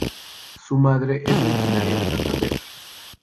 Su madre es originaria de Santander.